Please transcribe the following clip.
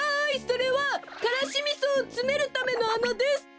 それはからしみそをつめるためのあなです！